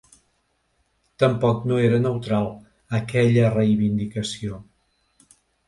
Tampoc no era neutral, aquella reivindicació.